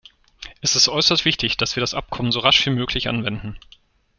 Es ist äußerst wichtig, dass wir das Abkommen so rasch wie möglich anwenden.